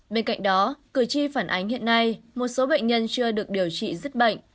bên cạnh đó cử tri phản ánh hiện nay một số bệnh nhân chưa được điều trị rất bệnh